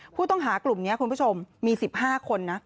ผู้ต้องหากลุ่มนี้คุณผู้ชมมี๑๕คนนะ